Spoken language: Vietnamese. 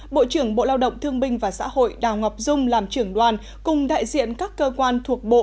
bộ trưởng bộ lao động thương binh và xã hội đào ngọc dung làm trưởng đoàn cùng đại diện các cơ quan thuộc bộ